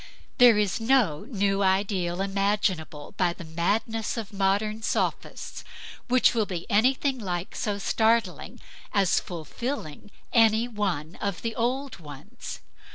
There is no new ideal imaginable by the madness of modern sophists, which will be anything like so startling as fulfilling any one of the old ones.